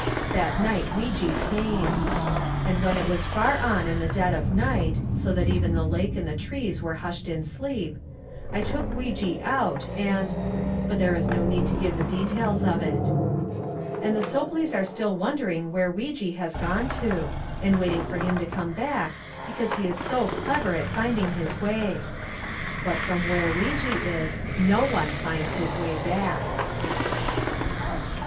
That night Weejee came. And when it was far on in the dead of night so that even the lake and the trees were hushed in sleep, I took Weejee out and but there is no need to give the details of it. And the Sopleys are still wondering where Weejee has gone to, and waiting for him to come back, because he is so clever at finding his way. But from where Weejee is, no one finds his way back. XIV.